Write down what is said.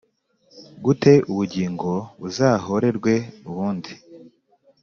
Gute ubugingo buzahorerwe ubundi